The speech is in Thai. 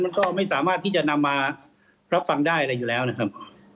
มันก็ไม่สามารถที่จะนำมารับฟังได้อะไรอยู่แล้วนะครับ